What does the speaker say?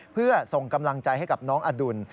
เพื่อส่งกำลังใจให้กับน้องอดุล